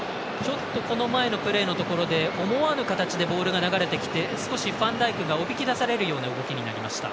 この前のプレーのところで思わぬ形でボールが流れてきて少しファンダイクがおびき出されるような動きになりました。